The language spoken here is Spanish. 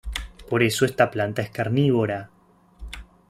Por eso esta planta es carnívora.